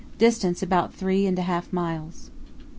Distance about three and a half miles.